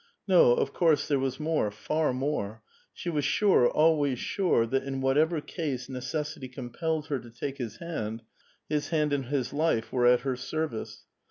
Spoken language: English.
No, of course there was more ; far more. She was sure, always sure, that in what ever case necessity compelled her to take his hand, his hand and his life were at her service.